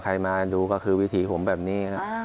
ใครมาดูก็คือวิถีผมแบบนี้นะ